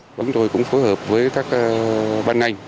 chúng tôi cũng phối hợp với các ban ngành